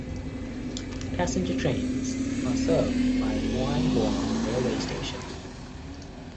Passenger trains are served by the Huaihua Railway Station.